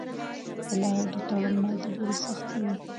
د لاهور د تړون مادې ډیرې سختې وې.